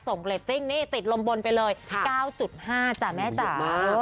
เรตติ้งนี่ติดลมบนไปเลย๙๕จ้ะแม่จ๋า